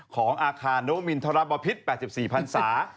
ของอาคารโนมินทรบพิษ๘๔พันศา